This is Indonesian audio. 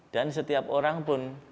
dan setiap orang pun